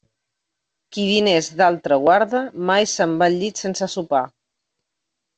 Qui diners d'altre guarda, mai se'n va al llit sense sopar.